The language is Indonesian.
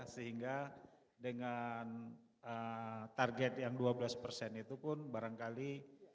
sehingga dengan target yang dua belas persen itu pun barangkali